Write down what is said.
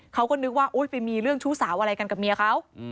เขาก็นึกว่าไปมีเรื่องชู้สาวอะไรกันกับเมียเขา